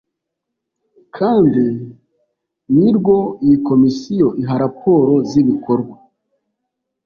kandi ni rwo iyi komisiyo iha raporo z’ibikorwa